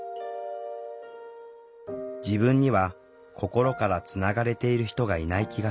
自分には心からつながれている人がいない気がする。